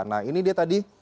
nah ini dia tadi